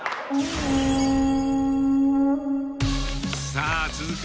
さあ続く